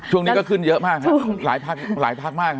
ช่วงนี้ก็ขึ้นเยอะมากหลายพักมาก